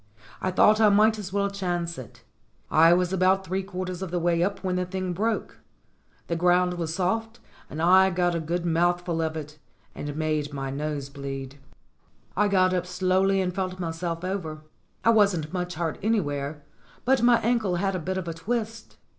I thought I might as well chance it. I was about three quarters of the way up when the thing broke. The ground was soft, and I got a good mouthful of it and made my nose bleed. 165 166 STORIES WITHOUT TEARS I got up slowly and felt myself over. I wasn't much hurt anywhere, but my ankle had a bit of a twist.